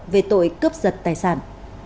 về tội cướp giật tài sản